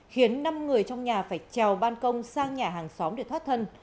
khiến năm người trong nhà phải trèo ban công sang nhà hàng xóm để thoát thân